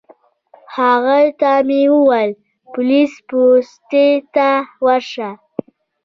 هغه ته مې وویل پولیس پوستې ته ورشه.